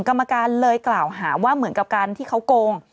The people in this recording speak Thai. กรรมการเลยกล่าวหาว่าเหมือนกับการที่เขาโกง